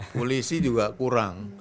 polisi juga kurang